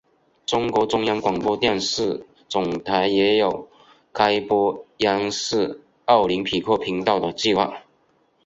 中国中央广播电视总台也有开播央视奥林匹克频道的计划。